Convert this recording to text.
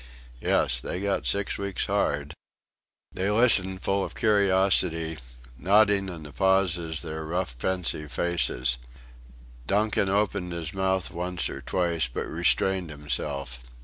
Yes. They got six weeks' hard...." They listened, full of curiosity, nodding in the pauses their rough pensive faces. Donkin opened his mouth once or twice, but restrained himself.